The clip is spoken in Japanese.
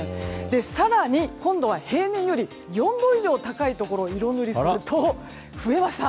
更に、今度は平年より４度以上高いところを色塗りすると増えました。